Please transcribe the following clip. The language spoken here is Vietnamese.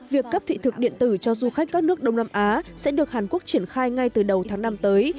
việc cấp thị thực điện tử cho du khách các nước đông nam á sẽ được hàn quốc triển khai ngay từ đầu tháng năm tới